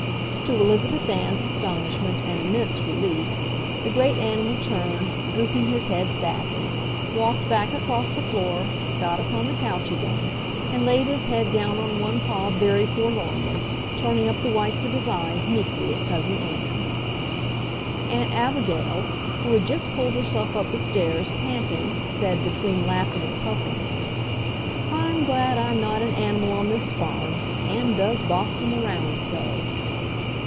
To Elizabeth Ann's astonishment and immense relief, the great animal turned, drooping his head sadly, walked back across the floor, got upon the couch again, and laid his head down on one paw very forlornly, turning up the whites of his eyes meekly at Cousin Ann. Aunt Abigail, who had just pulled herself up the stairs, panting, said, between laughing and puffing: "I'm glad I'm not an animal on this farm. Ann does boss them around so."